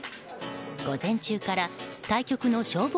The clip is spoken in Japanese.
午前中から対局の勝負